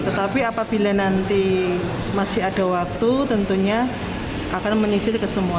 tetapi apabila nanti masih ada waktu tentunya akan menyisir ke semua